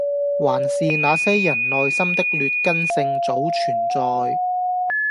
還是那些人內心的劣根性早存在